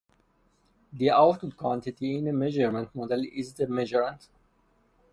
The output quantity in a measurement model is the measurand.